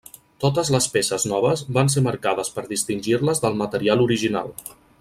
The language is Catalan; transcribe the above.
Totes les peces noves van ser marcades per distingir-les del material original.